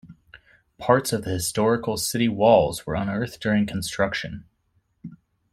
Parts of the historical city walls were unearthed during construction.